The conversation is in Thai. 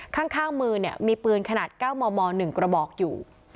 ข้างมือเนี่ยมีปืนขนาด๙มม๑กระบอกอยู่